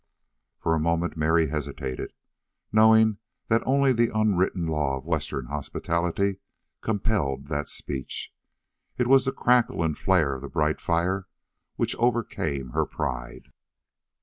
For a moment Mary hesitated, knowing that only the unwritten law of Western hospitality compelled that speech; it was the crackle and flare of the bright fire which overcame her pride.